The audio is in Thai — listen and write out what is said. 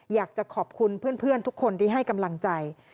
อยากจะขอบคุณเพื่อนทุกคนที่ให้กำลังใจ